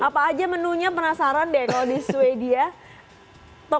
apa aja menunya penasaran deh kalau di sweden